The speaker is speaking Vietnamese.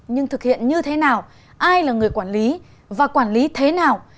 nhưng thực hiện như thế nào ai là người quản lý và quản lý thế nào